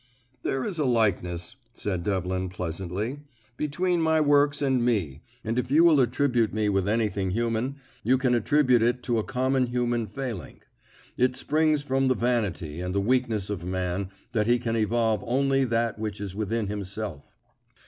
"There is a likeness," said Devlin pleasantly, "between my works and me, and if you will attribute me with anything human, you can attribute it to a common human failing. It springs from the vanity and the weakness of man that he can evolve only that which is within himself.